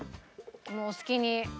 もうお好きに。